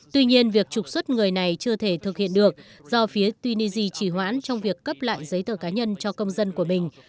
tuy nhiên việc trục xuất người này chưa thể thực hiện được do phía tunisia chỉ hoãn trong việc cấp lại giấy tờ cá nhân cho công dân của mình